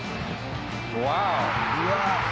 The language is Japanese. ワオ！